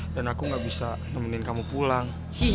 dan aku gak bisa nemenin kamu pulang